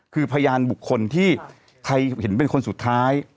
คือพยานบุคคลที่ใครเห็นเป็นคนสุดท้าย